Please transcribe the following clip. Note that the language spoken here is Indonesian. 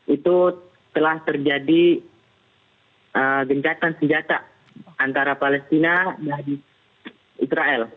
itu telah terjadi gencatan senjata antara palestina dan israel